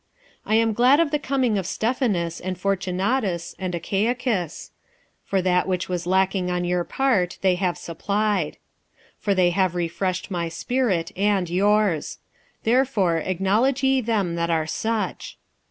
46:016:017 I am glad of the coming of Stephanas and Fortunatus and Achaicus: for that which was lacking on your part they have supplied. 46:016:018 For they have refreshed my spirit and your's: therefore acknowledge ye them that are such.